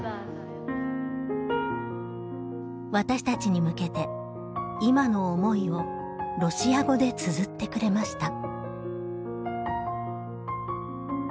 私たちに向けて今の思いをロシア語でつづってくれました。